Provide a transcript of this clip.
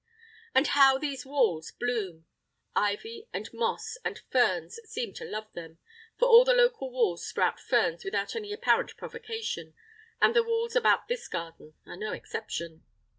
And how these walls bloom! Ivy and moss and ferns seem to love them, for all the local walls sprout ferns without any apparent provocation, and the walls about this garden are no exception.